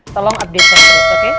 tolong update saya terus oke